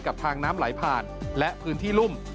กับทางน้ำไหลผ่านและพื้นที่รุ่ม